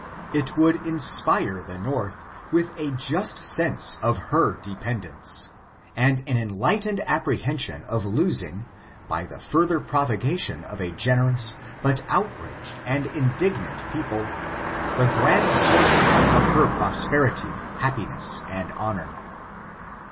It would inspire the North with a just sense of her dependence, and an enlightened apprehension of losing, by the further provocation of a generous, but outraged and indignant people, the grand sources of her prosperity, happiness, and honor.